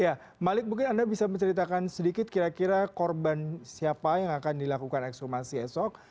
ya malik mungkin anda bisa menceritakan sedikit kira kira korban siapa yang akan dilakukan ekshumasi esok